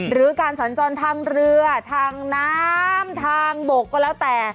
หรือการสัญจรทางเรือทางน้ำทางบกก็แล้วแต่